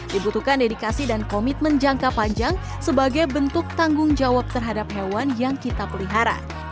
dibutuhkan dedikasi dan komitmen jangka panjang sebagai bentuk tanggung jawab terhadap hewan yang kita pelihara